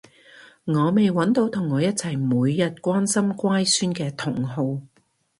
我未搵到同我一齊每日關心乖孫嘅同好